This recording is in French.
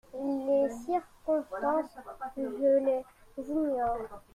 Les circonstances … je les ignore.